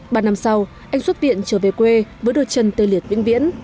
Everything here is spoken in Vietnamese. ba năm sau anh xuất viện trở về quê với đôi chân tê liệt vĩnh viễn